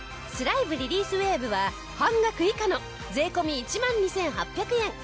スライヴリリースウェーブは半額以下の税込１万２８００円！